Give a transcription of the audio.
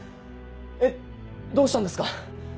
えっどうしたんですか？